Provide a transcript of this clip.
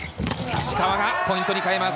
石川がポイントに変えます。